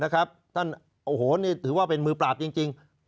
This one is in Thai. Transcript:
นะครับท่านโอ้โหนี่ถือว่าเป็นมือปราบจริงจริง